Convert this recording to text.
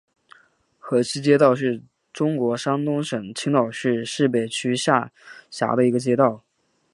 河西街道是中国山东省青岛市市北区下辖的一个街道。